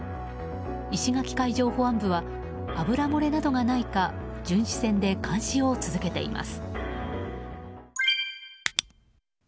石垣海上保安部は油漏れなどがないか巡視船で監視を続けています。